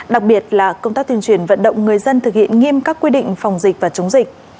đặc biệt là công tác tuyên truyền vận động người dân thực hiện nghiêm các quy định phòng dịch và chống dịch